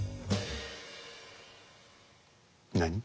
何？